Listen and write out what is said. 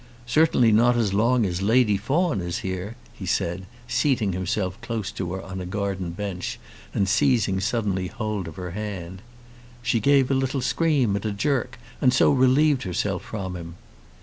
"Certainly not as long as Lady Fawn is here," he said, seating himself close to her on a garden bench, and seizing suddenly hold of her hand. She gave a little scream and a jerk, and so relieved herself from him.